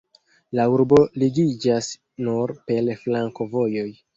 La urbo ligiĝas nur per flankovojoj.